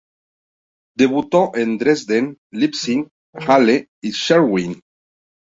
Debutó en Dresden, Leipzig, Halle y Schwerin.